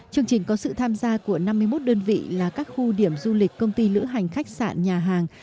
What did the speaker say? chương trình có sự tham gia của năm mươi một đơn vị là các khu điểm du lịch công ty lữ hành khách sạn nhà hàng